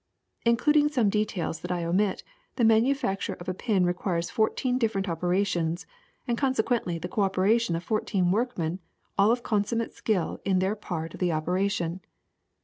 ^'Including some details that I omit, the manu facture of a pin requires fourteen different opera tions, and consequently the cooperation of fourteen workmen, all of consummate skill in their part of the 12 THE SECRET OF EVERYDAY THINGS operation.